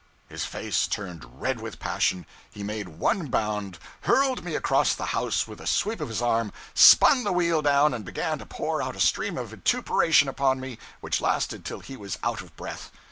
His face turned red with passion; he made one bound, hurled me across the house with a sweep of his arm, spun the wheel down, and began to pour out a stream of vituperation upon me which lasted till he was out of breath.